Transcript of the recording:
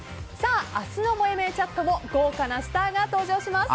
明日のもやもやチャットも豪華なスターが登場します。